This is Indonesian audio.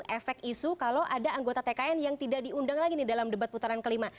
efek isu kalau ada anggota tkn yang tidak diundang lagi nih dalam debat putaran kelima